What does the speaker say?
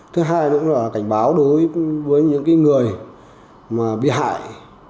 thứ hai nữa là cảnh báo đối với những người bị hại